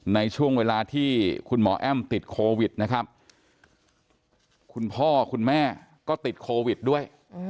ในช่วงเวลาที่คุณหมอแอ้มติดโควิดนะครับคุณพ่อคุณแม่ก็ติดโควิดด้วย